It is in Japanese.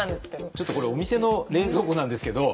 ちょっとこれお店の冷蔵庫なんですけど。